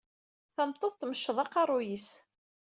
Tameṭṭut tmecceḍ aqerruy-is.